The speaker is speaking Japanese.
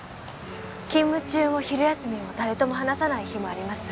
勤務中も昼休みも誰とも話さない日もあります。